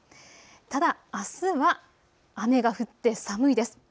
ただあすは雨が降って寒いです。